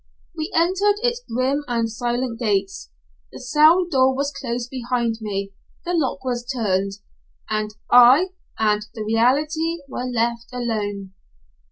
We entered its grim and silent gates, the cell door was closed behind me, the lock was turned, and I and the reality were left alone.